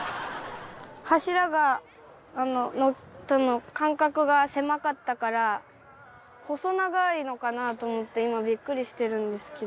柱との間隔が狭かったから細長いのかなと思って今ビックリしてるんですけど。